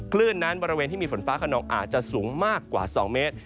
คลื่นนั้นบริเวณที่มีฝนฟ้าขนองอาจจะสูงมากกว่า๒เมตร